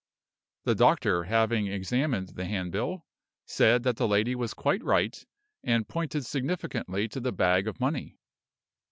The doctor, having examined the handbill, said that the lady was quite right, and pointed significantly to the bag of money.